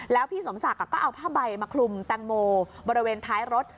แล้วพี่สมศักดิ์ก็เอาผ้าใบมาคลุมแตงโมบริเวณท้ายรถ